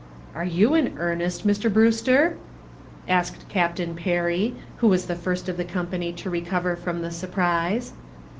"Are you in earnest, Mr. Brewster?" asked Captain Perry, who was the first of the company to recover from the surprise.